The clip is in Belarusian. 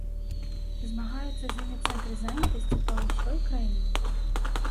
Змагаюцца з імі цэнтры занятасці па ўсёй краіне.